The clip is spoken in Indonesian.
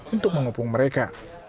untuk menghubung mereka